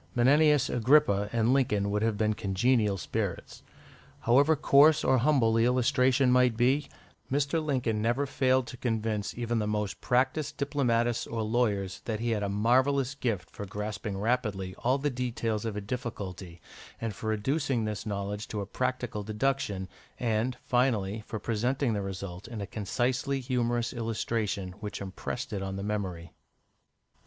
Menenius Agrippa and Lincoln would have been congenial spirits. However coarse or humble the illustration might be, Mr. Lincoln never failed to convince even the most practised diplomatists or lawyers that he had a marvellous gift for grasping rapidly all the details of a difficulty, and for reducing this knowledge to a practical deduction, and, finally, for presenting the result in a concisely humorous illustration which impressed it on the memory.